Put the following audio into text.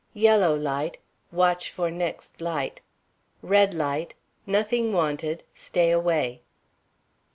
Yellow light Watch for next light. Red light Nothing wanted; stay away.